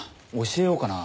教えようかな？